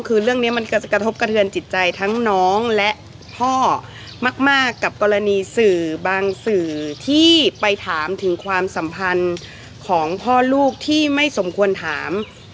คือเรื่องนี้มันกระทบกระเทือนจิตใจทั้งน้องและพ่อมากกับกรณีสื่อบางสื่อที่ไปถามถึงความสัมพันธ์ของพ่อลูกที่ไม่สมควรถาม